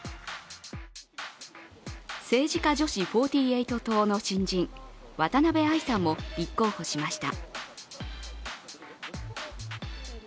政治家女子４８党の新人、渡部亜衣さんも立候補しました。